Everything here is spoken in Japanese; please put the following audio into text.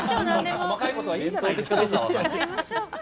細かいことはいいじゃないですか。